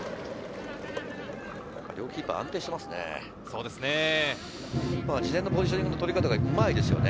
両キーパー安定してますね。